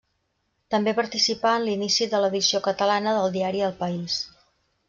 També participà en l'inici de l'edició catalana del diari El País.